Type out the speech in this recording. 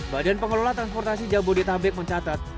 badan pengelola transportasi jabodetabek mencatat